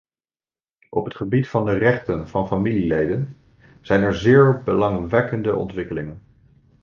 Op het gebied van de rechten van familieleden zijn er zeer belangwekkende ontwikkelingen.